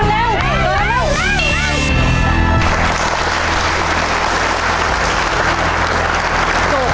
เร็ว